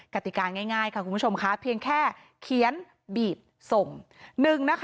กติกาง่ายค่ะคุณผู้ชมค่ะเพียงแค่เขียนบีบส่ง